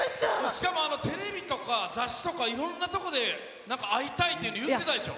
しかもテレビとか雑誌とか、いろんなところでなんか会いたいというの言ってたでしょう。